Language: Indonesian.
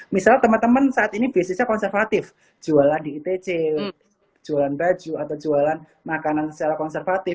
misalnya teman teman saat ini bisnisnya konservatif jualan di itc jualan baju atau jualan makanan secara konservatif